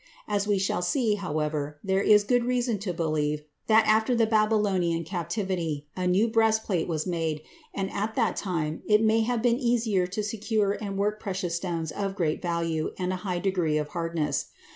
As we shall see, however, there is good reason to believe that after the Babylonian Captivity a new breastplate was made, and at that time it may have been easier to secure and work precious stones of great value and a high degree of hardness.